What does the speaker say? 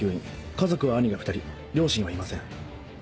家族は兄が２人両親はいません。